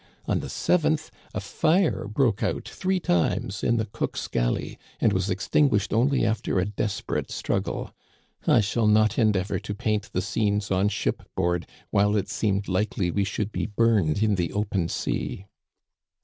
On the 7th a fire broke out three times in the cook's galley, and was extinguished only after a desperate struggle. I shall not endeavor to paint the scenes on shipboard while it seemed likely we should be burned in the open sea.